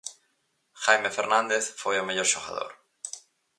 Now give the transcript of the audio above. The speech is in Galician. Jaime Fernández foi o mellor xogador.